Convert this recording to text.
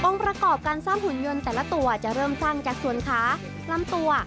ประกอบการสร้างหุ่นยนต์แต่ละตัวจะเริ่มสร้างจากส่วนขาลำตัว